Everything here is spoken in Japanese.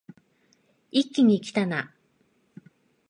一気にきたな